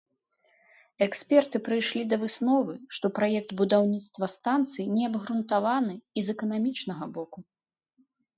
Эксперты прыйшлі да высновы, што праект будаўніцтва станцыі неабгрунтаваны і з эканамічнага боку.